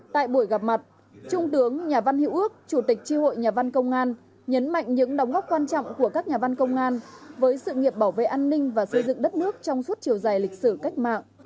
tại buổi gặp mặt trung tướng nhà văn hữu ước chủ tịch tri hội nhà văn công an nhấn mạnh những đóng góp quan trọng của các nhà văn công an với sự nghiệp bảo vệ an ninh và xây dựng đất nước trong suốt chiều dài lịch sử cách mạng